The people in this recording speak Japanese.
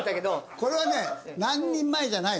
これはね何人前じゃないです。